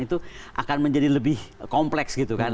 itu akan menjadi lebih kompleks gitu kan